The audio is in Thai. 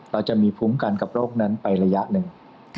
เราจะมีภูมิกันกับโรคนั้นไประยะหนึ่ง